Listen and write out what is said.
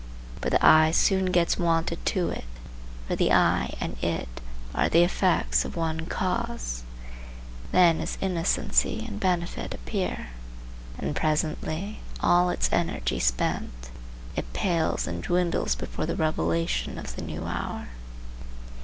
But the eye soon gets wonted to it, for the eye and it are effects of one cause; then its innocency and benefit appear, and presently, all its energy spent, it pales and dwindles before the revelation of the new hour.